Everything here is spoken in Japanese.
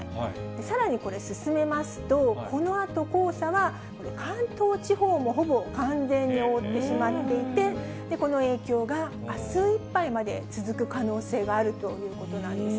さらにこれ、進めますと、このあと、黄砂はこれ、関東地方もほぼ完全に覆ってしまっていて、この影響があすいっぱいまで続く可能性があるということなんです